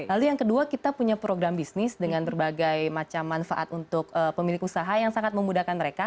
lalu yang kedua kita punya program bisnis dengan berbagai macam manfaat untuk pemilik usaha yang sangat memudahkan mereka